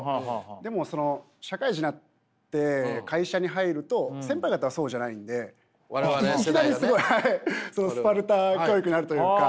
でもその社会人になって会社に入ると先輩方はそうじゃないんでいきなりすごいそのスパルタ教育になるというか。